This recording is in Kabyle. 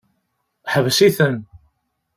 Ḥbes-iten.